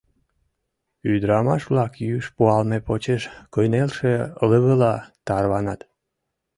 Ӱдырамаш-влак юж пуалме почеш кынелше лывыла тарванат.